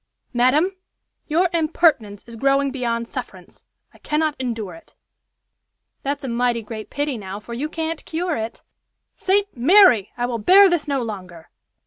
"Madam, your impertinence is growing beyond sufferance. I cannot endure it." "That's a mighty great pity, now, for you can't cure it." "St. Mary! I will bear this no longer."